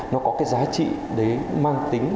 nó có cái giá trị đấy mang tính